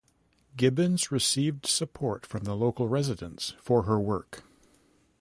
Gibbons received support from the local residents for her work.